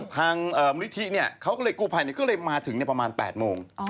ทางบริธีเนี่ยกูภัยก็เลยมาถึงประมาณ๘โมง